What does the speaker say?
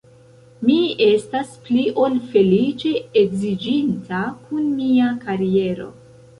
Mi estas pli ol feliĉe edziĝinta kun mia kariero.